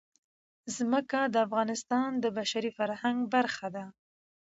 ځمکه د افغانستان د بشري فرهنګ برخه ده.